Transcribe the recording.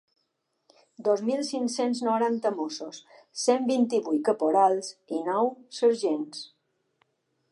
Dos mil cinc-cents noranta mossos, cent vint-i-vuit caporals i nou sergents.